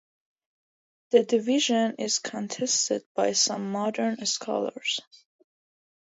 This division is contested by some modern scholars.